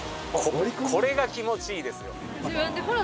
これが気持ちいいですよ。